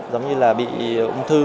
giống như là bị ung thư